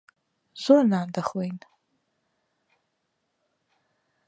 زۆر نان دەخۆین.